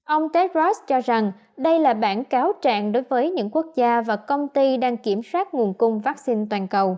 ông tedros cho rằng đây là bản cáo trạng đối với những quốc gia và công ty đang kiểm soát nguồn cung vaccine toàn cầu